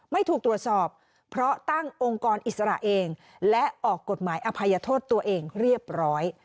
ไม่ถูกตรวจสอบเพราะตั้งองค์กรอิสระเองและออกกฎหมายอภัยโทษตัวเองเรียบร้อย